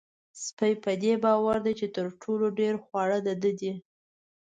سپی په دې باور دی چې تر ټولو ډېر خواړه د ده دي.